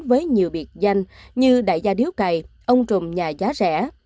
với nhiều biệt danh như đại gia điếu cày ông trùm nhà giá rẻ